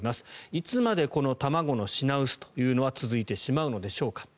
いつまでこの卵の品薄というのは続いてしまうのでしょうか。